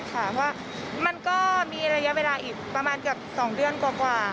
เพราะว่ามันก็มีระยะเวลาอีกประมาณเกือบ๒เดือนกว่า